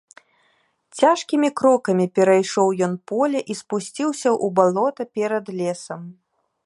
Цяжкімі крокамі перайшоў ён поле і спусціўся ў балота перад лесам.